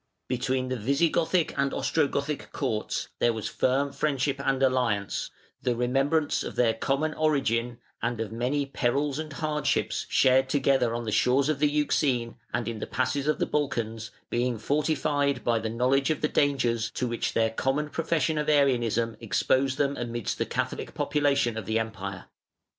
_] Between the Visigothic and Ostrogothic courts there was firm friendship and alliance, the remembrance of their common origin and of many perils and hardships shared together on the shores of the Euxine and in the passes of the Balkans being fortified by the knowledge of the dangers to which their common profession of Arianism exposed them amidst the Catholic population of the Empire.